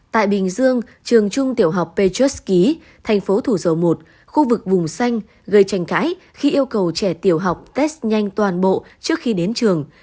tại bình dương trường trung tiểu học petrost ký thành phố thủ dầu một khu vực vùng xanh gây tranh cãi khi yêu cầu trẻ tiểu học test nhanh toàn bộ trước khi đến trường